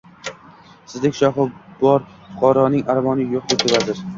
– Sizdek shohi bor fuqaroning armoni yo‘q, – debdi vazir.